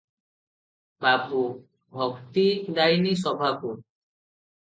ବାବୁ - ଭକ୍ତି-ଦାୟିନୀ ସଭାକୁ ।